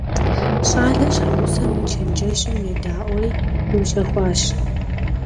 ЩӀалэр щхьэгъусэм и чэнджэщым едаӀуэри зиущэхуащ.